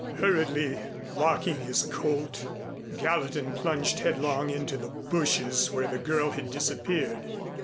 Hurriedly locking his Colt, Gallatin plunged headlong into the bushes where the girl had disappeared.